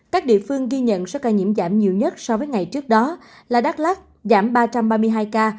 các địa phương ghi nhận số ca nhiễm giảm nhiều nhất so với ngày trước đó là đắk lắc giảm ba trăm ba mươi hai ca